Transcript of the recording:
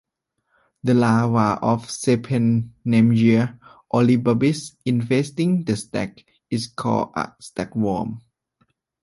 The larva of "Cephenemyia auribarbis", infesting the stag, is called a stagworm.